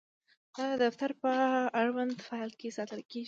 دا د دفتر په اړونده فایل کې ساتل کیږي.